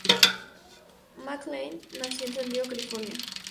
McCain nació en San Diego, California.